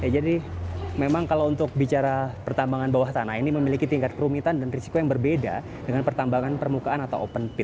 jadi memang kalau untuk bicara pertambangan bawah tanah ini memiliki tingkat kerumitan dan risiko yang berbeda dengan pertambangan permukaan atau open pit